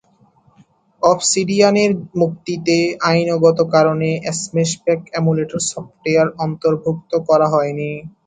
ওবসিডিয়ানের মুক্তিতে আইনগত কারণে স্ম্যাশ প্যাক এমুলেটর সফটওয়্যার অন্তর্ভুক্ত করা হয়নি।